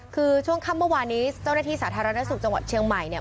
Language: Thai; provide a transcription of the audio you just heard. คือช่วงค่ำเมื่อวานนี้เจ้าหน้าที่สาธารณสุขจังหวัดเชียงใหม่เนี่ย